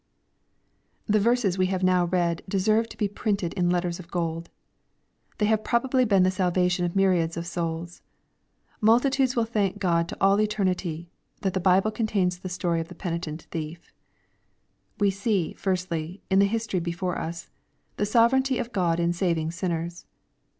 Thb verses we have now read deserve to be printed in 470 EXPOSiTORy thoughts. letters of gold. They have probably been the salvatioa of myriads of souls. Multitudes will thank Grod to al] eternity that the Bib .e contains this story of the peni tent thief. We see, firstly, in the history before us, the sovereignty fif God in saving sinners